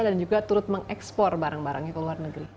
dan juga turut mengekspor barang barangnya ke luar negeri